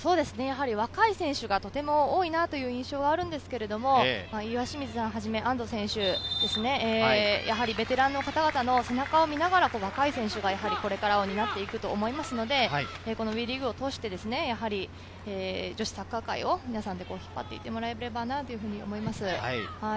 若い選手がとても多いなという印象はあるんですけれど、岩清水さんをはじめ安藤さん、ベテランの方々の背中を見ながら若い選手がこれから担っていくと思いますので、ＷＥリーグを通して女子サッカー界を皆さんで引っ張っていってもらえればと思います。